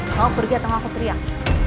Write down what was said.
mau pergi atau aku teriak